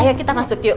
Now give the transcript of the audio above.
ayo kita masuk yuk